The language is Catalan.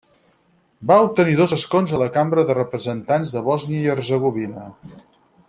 Va obtenir dos escons a la Cambra de Representants de Bòsnia i Hercegovina.